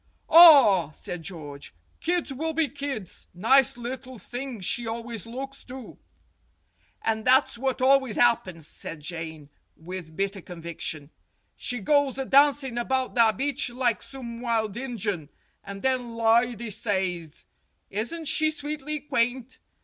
"Ah !" said George, "kids will be kids. Nice little thing she always looks, too." "And that's what always 'appens/' said Jane, with 192 STORIES WITHOUT TEARS bitter conviction. "She goes a dancin' about that beach like some wild Injun, and then lyedies says, 'Isn't she sweetly quaint?'